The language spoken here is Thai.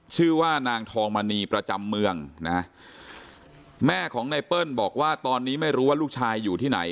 ชื่อว่านางทองมณีประจำเมืองนะแม่ของไนเปิ้ลบอกว่าตอนนี้ไม่รู้ว่าลูกชายอยู่ที่ไหน